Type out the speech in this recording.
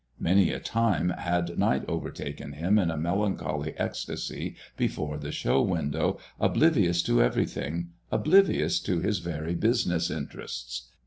Many a time had night overtaken him in a melancholy ecstasy before the show window, oblivious to everything, oblivious to his very business interests.